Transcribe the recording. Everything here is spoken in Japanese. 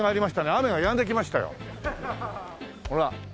雨がやんできましたよ。ほら。